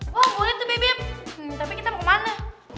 wah boleh tuh bibip tapi kita mau kemana